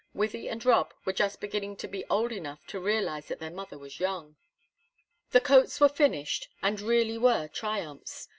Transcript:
Wythie and Rob were just beginning to be old enough to realize that their mother was young. The coats were finished, and really were triumphs.